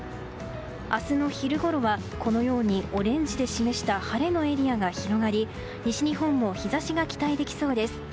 明日の昼ごろはオレンジで示した晴れのエリアが広がり西日本も日差しが期待できそうです。